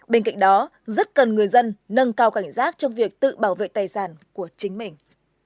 bên cạnh đó rất cần người dân nâng cao cảnh giác trong việc tự bảo vệ tài sản của chính mình